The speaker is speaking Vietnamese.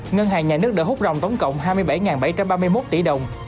ngân hàng nhà nước đã hút rồng tổng cộng hai mươi bảy bảy trăm ba mươi một tỷ đồng